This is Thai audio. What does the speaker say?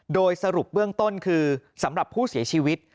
โดยสรุปเบื้องต้นคือสำหรับผู้เสียชีวิต